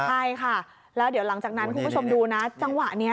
ใช่ค่ะแล้วเดี๋ยวหลังจากนั้นคุณผู้ชมดูนะจังหวะนี้